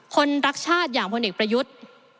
คนรักชาติอย่างพลเอกประยุทธ์